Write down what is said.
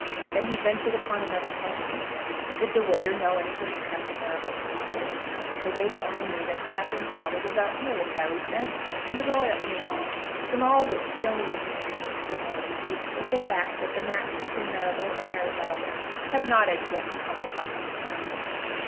Then he ventured upon another question. Did the waiter know anything of Captain Marrable's father? The waiter only knew that the Captain's father was "a military gent, and was high up in the army." From all which the only information which Gilmore received was the fact that the match between Marrable and Mary Lowther had not as yet become the talk of the town.